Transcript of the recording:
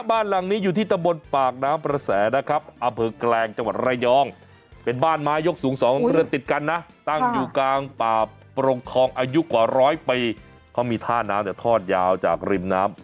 บ้านหลังนี้อยู่ที่ตะบนปากน้ำประแสนะครับอาเภอแกแกลงจังหวัดรายอง